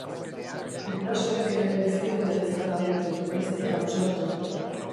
Gurasoek ere ez diote ezer galdetu, ez dira ausartu.